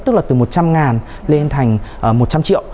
tức là từ một trăm linh lên thành một trăm linh triệu